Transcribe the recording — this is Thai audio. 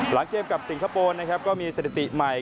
หลังเกมกับสิงคโปร์นะครับก็มีสถิติใหม่